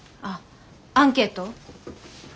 ああアンケート？